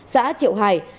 xã triệu hải